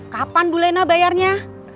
kapan bu lena bayarnya